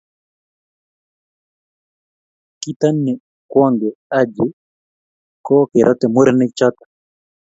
Kito ni kwonge Haji ko kerote murenik choto.